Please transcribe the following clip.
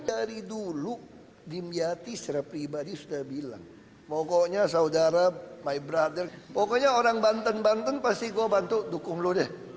dari dulu dimyati secara pribadi sudah bilang pokoknya saudara my brother pokoknya orang banten banten pasti gue bantu dukung lo deh